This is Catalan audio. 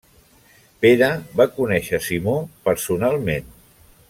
Pere va conèixer Simó personalment.